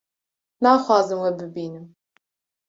naxwazim we bibînim